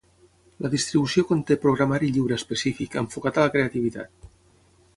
La distribució conté programari lliure específic, enfocat a la creativitat.